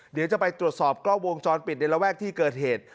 เดี๋ยวจะไปตรวจสอบกล้องวงจรปิดในระแวกที่เกิดเหตุ